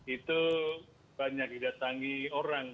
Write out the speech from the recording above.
itu banyak didatangi orang